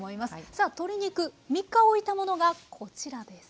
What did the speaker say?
さあ鶏肉３日おいたものがこちらです。